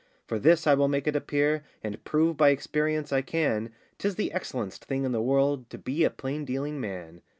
For this I will make it appear, And prove by experience I can, 'Tis the excellen'st thing in the world To be a plain dealing man.